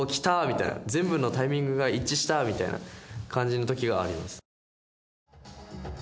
全部のタイミングが一致したみたいな感じのときがあります。